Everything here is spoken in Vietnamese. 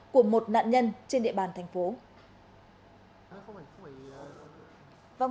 vào ngày hôm nay nguyễn văn long đã trở lại thành phố hải phòng